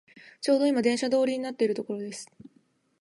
ちょうどいま電車通りになっているところです